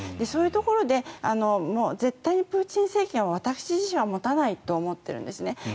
そういうところで絶対にプーチン政権は私自身は持たないと思ってるんですね。